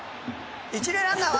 一塁ランナーは？